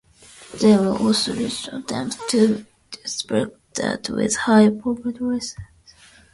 They will also resist attempts to disrupt them with high-powered lasers.